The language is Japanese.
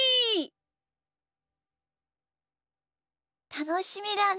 たのしみだね。